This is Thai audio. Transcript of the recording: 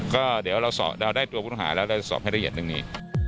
ก็เดี๋ยวเราได้ตัวผู้ต้องหาแล้วเราจะสอบให้ละเอียดเรื่องนี้